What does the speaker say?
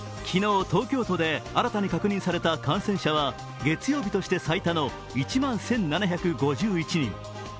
昨日、東京都で新たに確認された感染者は月曜日として最多の１万１７５１人。